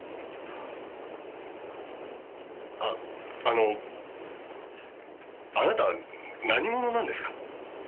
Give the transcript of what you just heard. ああのあなた何者なんですか？